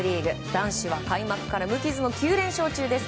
男子は開幕から無傷の９連勝中です。